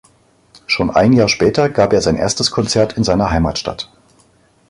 Schon ein Jahr später gab er sein erstes Konzert in seiner Heimatstadt.